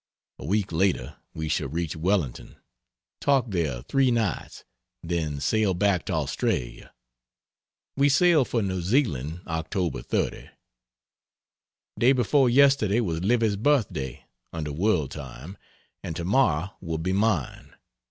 A week later we shall reach Wellington; talk there 3 nights, then sail back to Australia. We sailed for New Zealand October 30. Day before yesterday was Livy's birthday (under world time), and tomorrow will be mine.